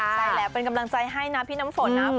ใช่แล้วเป็นกำลังใจให้นะพี่น้ำฝนนะ